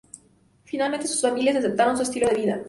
Finalmente sus familias aceptaron su estilo de vida.